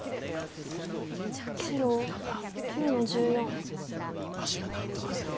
白９の十四。